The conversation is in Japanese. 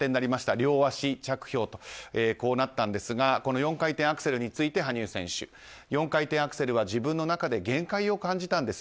両足着氷とこうなったんですが４回転アクセルについて羽生選手、４回転アクセルは自分の中で限界を感じたんです。